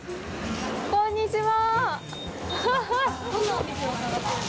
こんにちは。